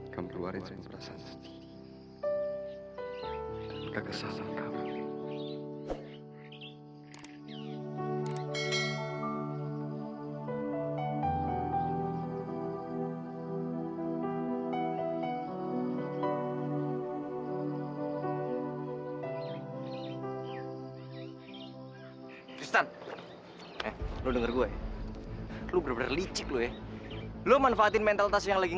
tapi sekarang kamu rela ngerbanin kami